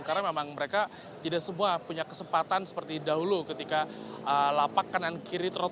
karena memang mereka tidak semua punya kesempatan seperti dahulu ketika lapak kanan kiri terutama